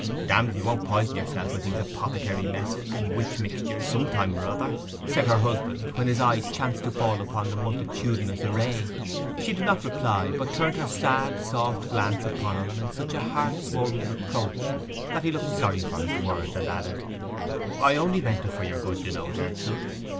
'Damned if you won't poison yourself with these apothecary messes and witch mixtures some time or other,' said her husband, when his eye chanced to fall upon the multitudinous array. She did not reply, but turned her sad, soft glance upon him in such heart swollen reproach that he looked sorry for his words, and added, 'I only meant it for your good, you know, Gertrude.